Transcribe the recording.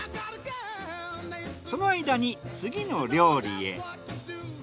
その間に次の料理へ。